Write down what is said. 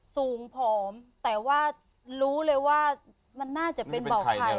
สูงผอมแต่ว่ารู้เลยว่ามันน่าจะเป็นเบาไข่